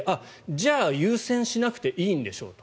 じゃあ優先しなくていいんでしょうと。